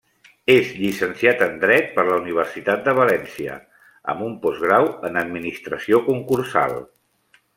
És llicenciat en Dret per la Universitat de València amb un postgrau en administració concursal.